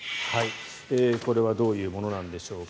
これはどういうものなんでしょうか。